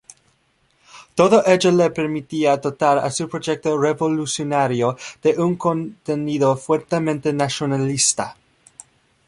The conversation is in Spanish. Todo ello le permitía dotar a su proyecto revolucionario de un contenido fuertemente nacionalista.